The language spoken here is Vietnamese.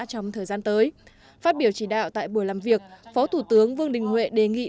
trong thời gian tới phát biểu chỉ đạo tại buổi làm việc phó thủ tướng vương đình huệ đề nghị